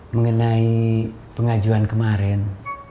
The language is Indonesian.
mengenai pengajuan kemarin